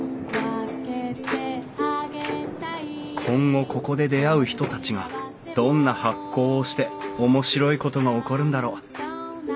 今後ここで出会う人たちがどんな発酵をして面白いことが起こるんだろう？